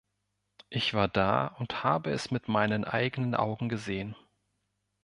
Ich war da und habe es mit meinen eigenen Augen gesehen.